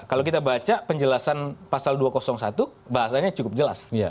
kalau kita baca penjelasan pasal dua ratus satu bahasanya cukup jelas